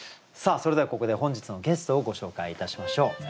それではここで本日のゲストをご紹介いたしましょう。